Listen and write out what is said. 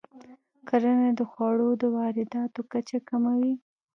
کرنه د خوړو د وارداتو کچه کموي.